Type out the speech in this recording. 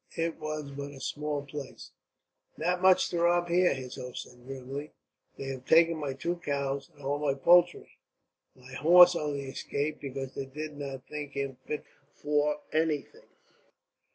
It was but a small place. "Not much to rob here," his host said grimly. "They have taken my two cows, and all my poultry. My horse only escaped because they did not think him fit for anything.